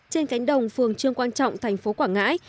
trên cánh đồng phường trương quang trọng thành phố quảng ngãi